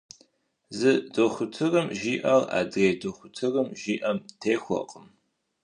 Зы дохутырым жиӏэр, адрей дохутырым жиӏэм техуэркъым.